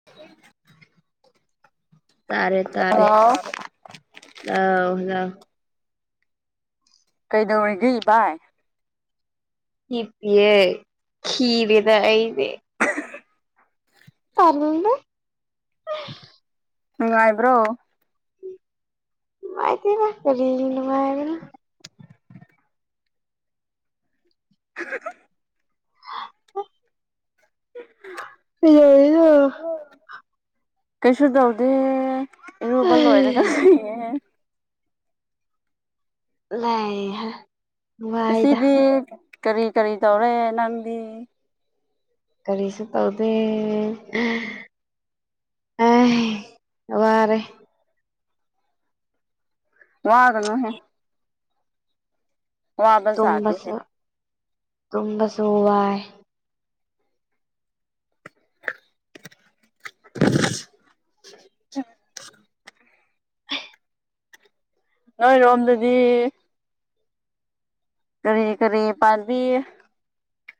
[unintelligible] ꯇꯥꯔꯦ ꯇꯥꯔꯦ ꯍꯜꯂꯣ ꯂꯑꯣ ꯂꯑꯣ ꯀꯩꯗꯧꯔꯤꯒꯦ ꯏ ꯚꯥꯏ ꯏ ꯄꯦ ꯍꯤꯔꯗ ꯏꯦ ꯇꯔꯅꯦ ꯉꯥꯏꯕ꯭ꯔꯣ ꯅꯨꯡꯉꯥꯏꯇꯅ ꯀꯔꯤ ꯅꯨꯡꯉꯥꯏꯕꯅ ꯍꯜꯂꯣ [unintelligible] ꯀꯩꯗꯧꯔꯤꯅꯣ ꯀꯩꯁꯨꯁꯨꯗꯎꯗ ꯔꯨꯕ ꯍꯩ ꯂꯣꯏꯔꯒ ꯂꯩꯌꯦꯦꯦ ꯂꯩ ꯉꯁꯤꯕꯤ ꯀꯔꯤ ꯀꯔꯤ ꯇꯧꯔꯦ ꯅꯪꯗꯤ ꯀꯔꯤꯁꯨ ꯇꯧꯗꯦ ꯑ ꯋꯥꯔꯦ ꯋꯥꯒꯉꯍꯦ ꯋꯥꯕ ꯖꯥꯠꯇꯦꯍꯦ ꯇꯁꯨ ꯇꯨꯝꯁꯨꯋꯥꯏ [inaudible] ꯅꯣꯏꯔꯣꯝꯗꯗꯤ ꯀꯔꯤ ꯀꯔꯤ ꯄꯥꯝꯕꯤ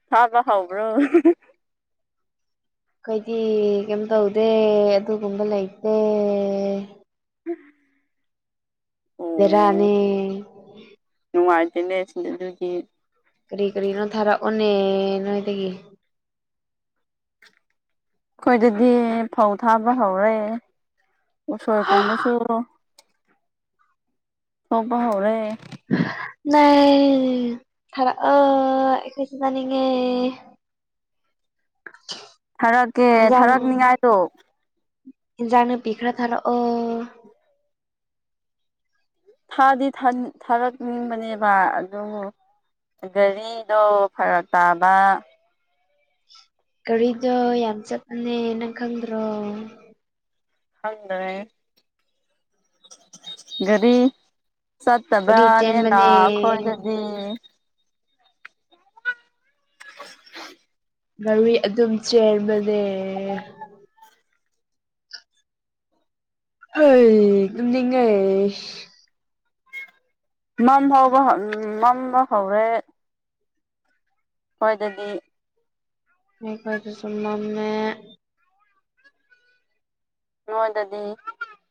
ꯊꯥꯕ ꯍꯧꯕ꯭ꯔꯣ ꯑꯩꯈꯣꯏꯗꯤ ꯀꯩꯝ ꯇꯧꯗꯦ ꯑꯗꯨꯒꯨꯝꯕ ꯂꯩꯇꯦ ꯑꯣ ꯕꯦꯔꯥꯅꯦ ꯅꯨꯡꯉꯥꯏꯇꯦꯅꯦ ꯁꯤꯡꯗ ꯑꯗꯨꯒꯤ ꯀꯔꯤ ꯀꯔꯤꯅꯣ ꯊꯥꯔꯛꯑꯣꯅꯦ ꯅꯣꯏꯗꯒꯤ ꯑꯩꯈꯣꯏꯗꯗꯤ ꯐꯧ ꯊꯥꯕ ꯍꯧꯔꯦ ꯎꯁꯣꯏ ꯍꯥ ꯀꯨꯝꯕꯁꯨ ꯊꯣꯛꯄ ꯍꯧꯔꯦ [unintelligible] ꯊꯥꯔꯛꯑꯣ ꯑꯩꯈꯣꯏꯁꯨ ꯆꯥꯅꯤꯉꯦ ꯊꯥꯔꯛꯀꯦ ꯏꯟꯖꯥꯡ ꯊꯥꯔꯛꯅꯤꯡꯉꯥꯏꯗꯣ ꯏꯟꯖꯥꯡ ꯅꯥꯄꯤ ꯈꯔ ꯊꯥꯔꯛꯑꯣ ꯊꯥꯗꯤ ꯊꯥ ꯊꯥꯔꯛꯅꯤꯡꯕꯅꯦꯕ ꯑꯗꯨꯕꯨ ꯒꯥꯔꯤꯗꯣ ꯐꯔꯛ ꯇꯥꯕ ꯒꯥꯔꯤꯗꯨ ꯌꯥꯝ ꯆꯠꯄꯅꯦ ꯅꯪꯪ ꯈꯪꯗ꯭ꯔꯣ ꯈꯪꯗ꯭ꯔꯦ ꯒꯥꯔꯤ ꯒꯥꯔꯤ ꯆꯠꯇꯕꯅꯦꯅ ꯆꯦꯟꯕꯅꯦ ꯈꯣꯏꯗꯗꯤ [inaudible] ꯒꯔꯤ ꯑꯗꯨꯝ ꯆꯦꯟꯕꯅꯦ ꯍꯩ ꯇꯨꯝꯅꯤꯡꯉꯦ ꯉꯝꯍꯧꯕ ꯎ ꯃꯝꯕ ꯍꯧꯔꯦ ꯑꯩꯈꯣꯏꯗꯗꯤ ꯑꯩꯈꯣꯏꯗꯁꯨ ꯃꯝꯃꯦ ꯅꯣꯏꯗꯗꯤ